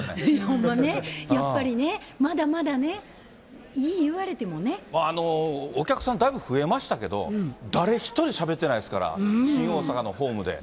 ほんまね、やっぱりね、まだまだね、お客さん、だいぶ増えましたけど、誰一人しゃべってないですから、新大阪のホームで。